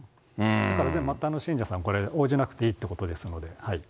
だから末端の信者さん、応じなくていいってことですので。